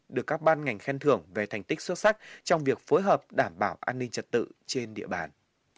được các ban ngành khen thưởng về thành tích xuất sắc trong việc phối hợp đảm bảo an ninh trật tự trên địa bàn